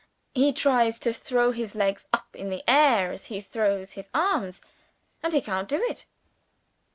He tries to throw his legs up in the air as he throws his arms, and he can't do it.